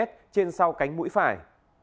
trên sau cánh mũi phải